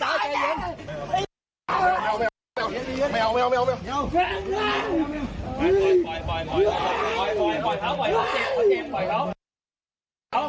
ชายห้อใจชายเห็น